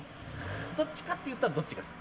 どっちかっていったらどっちが好き？